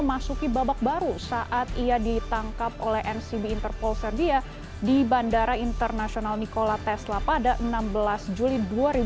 memasuki babak baru saat ia ditangkap oleh ncb interpol serbia di bandara internasional nikola tesla pada enam belas juli dua ribu dua puluh